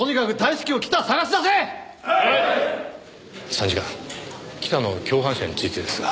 参事官北の共犯者についてですが。